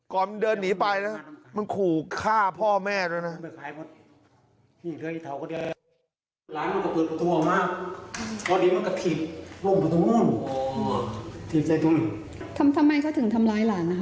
ก่อนเดินหนีไปนะ